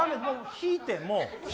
引いてもう。